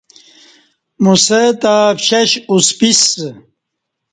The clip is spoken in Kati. موسہ تں پشش اُسپِسہ